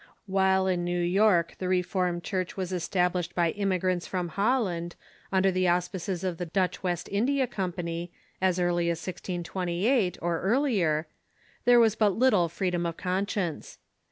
While in New York the Reformed Church was established by immigrants from Holland, under the au spices of the Dutch West India Compan}^, as early as 1628, or earlier, there was but little freedom of conscience.